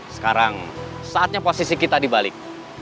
sekarang saatnya posisi kita dibalik